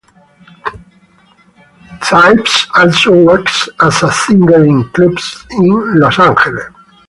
Cipes also works as a singer in clubs in Los Angeles.